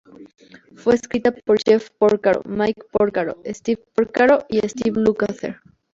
Fue escrita por Jeff Porcaro, Mike Porcaro, Steve Porcaro y Steve Lukather.